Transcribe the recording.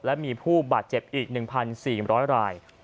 และมีผู้บาดเจ็บอีก๑๔๐๐ราย